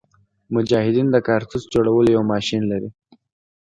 مجاهدین د کارتوس جوړولو یو ماشین لري.